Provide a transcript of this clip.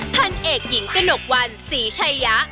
พันเอกหญิงกระหนกวันศรีชัยะ